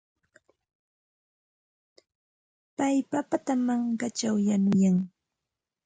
Pay papata mankaćhaw yanuyan.